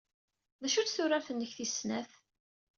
D acu-tt tuttra-nnek tis snat?